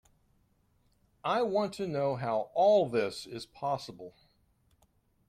I want to know how all this is possible.